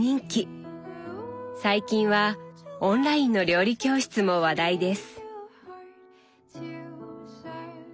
最近はオンラインの料理教室も話題です。